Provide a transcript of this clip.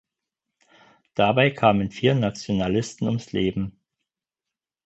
Dabei kamen vier Nationalisten ums Leben.